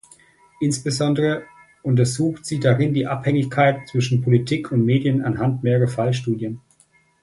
Insbesondere untersucht sie darin die Abhängigkeiten zwischen Politik und Medien anhand mehrerer Fallstudien.